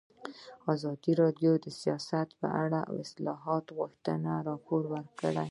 ازادي راډیو د سیاست په اړه د اصلاحاتو غوښتنې راپور کړې.